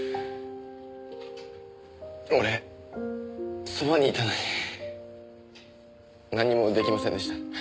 俺そばにいたのになんにも出来ませんでした。